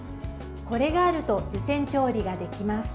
これがあると湯煎調理ができます。